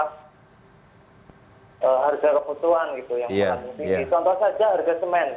ini contoh saja harga semen